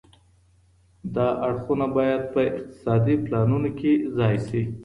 دا اړخونه باید په اقتصادي پلانونو کي ځای سي.